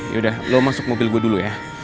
yaudah lo masuk mobil gue dulu ya